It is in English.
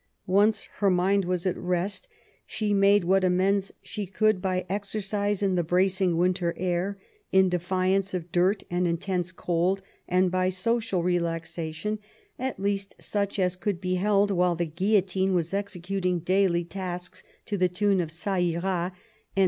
Once her mind was at rest, she made what amends she could by exercise in the bracing winter air, in defiance of dirt and intensQ cold, and by social relaxation^ at least such as could be had while the guillotine was executing daily tasks to the tune of ^a ira, scad.